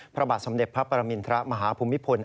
พระบาทสมเด็จพระปรมินทรมาฮภูมิพล